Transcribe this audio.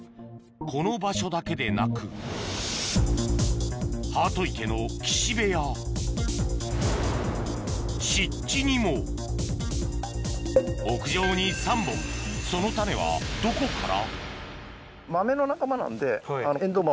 この場所だけでなくハート池の岸辺や湿地にも屋上に３本その種はどこから？